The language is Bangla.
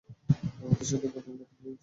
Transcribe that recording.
আমাদের সাথে করবেন নাকি ড্রিংক্স?